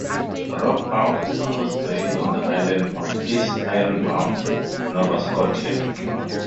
"Rockbound" was based on the island of East Ironbound, Nova Scotia.